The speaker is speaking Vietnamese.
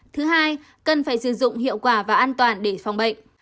thứ hai cần phải sử dụng hiệu quả và an toàn để phòng bệnh